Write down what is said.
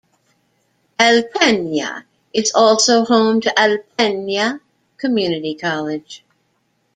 Alpena is also home to Alpena Community College.